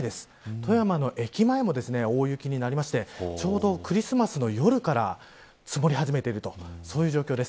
富山の駅前も大雪になってちょうどクリスマスの夜から積もり始めている状況です。